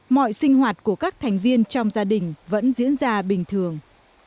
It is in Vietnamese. mọi sinh hoạt của các thành viên trong gia đình vẫn diễn ra bình thường